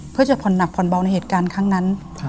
เพื่อจะผ่อนหนักผ่อนเบาในเหตุการณ์ครั้งนั้น